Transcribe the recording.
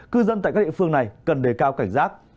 cư dân tại các địa phương này cần đề cao cảnh giác